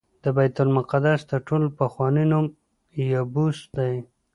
د بیت المقدس تر ټولو پخوانی نوم یبوس دی.